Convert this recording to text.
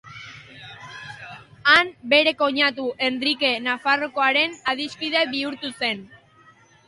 Han bere koinatu Henrike Nafarroakoaren adiskide bihurtu zen.